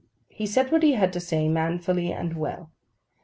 He said what he had to say manfully and well.